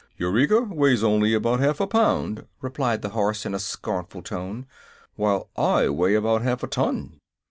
"Eureka weighs only about half a pound," replied the horse, in a scornful tone, "while I weigh about half a ton."